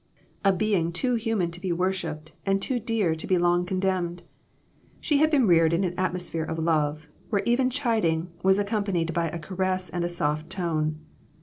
A being too human to be worshiped and too dear to be long condemned. She had been reared in an atmosphere of love, where even chiding was accompanied by a caress and a soft tone.